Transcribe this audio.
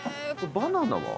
バナナは？